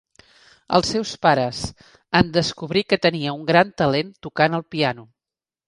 Els seus pares, en descobrir que tenia un gran talent tocant el piano.